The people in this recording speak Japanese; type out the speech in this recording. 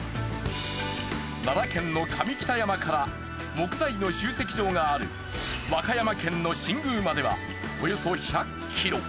奈良県の上北山から木材の集積場がある和歌山県の新宮までは。